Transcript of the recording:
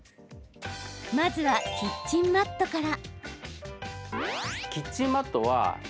まずは、キッチンマットから。